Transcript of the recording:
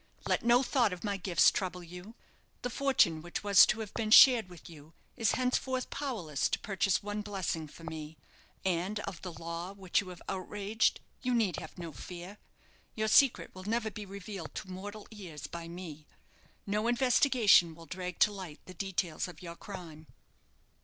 Let no thought of my gifts trouble you. The fortune which was to have been shared with you is henceforth powerless to purchase one blessing for me. And of the law which you have outraged you need have no few; your secret will never be revealed to mortal ears by me. No investigation will drag to light the details of your crime."